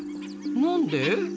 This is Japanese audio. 何で？